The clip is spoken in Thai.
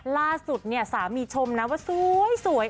ล่าสุดเนี่ยสามีชมนะว่าสวย